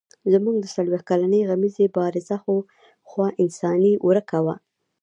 زموږ د څلوېښت کلنې غمیزې بارزه خوا انساني ورکه وه.